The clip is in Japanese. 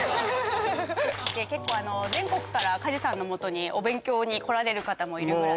フフフ結構全国から加地さんのもとにお勉強に来られる方もいるぐらい